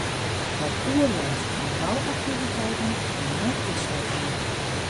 Wat oerlêst fan 'e bouaktiviteiten kin net útsletten wurde.